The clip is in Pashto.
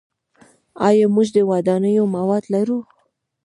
آیا موږ د ودانیو مواد لرو؟